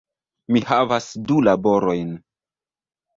Mi havas du laborojn